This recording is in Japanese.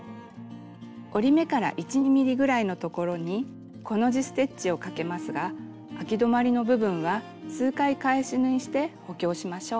折り目から１２ｍｍぐらいのところにコの字ステッチをかけますがあき止まりの部分は数回返し縫いして補強しましょう。